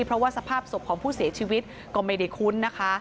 เพราะว่าสภาพศพของผู้เสียชีวิตก็ไม่ได้คุ้นนะคะ